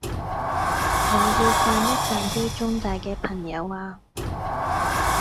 我要讚一讚啲中大嘅朋友呀